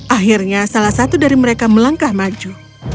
akhirnya salah satu dari mereka melangkah maju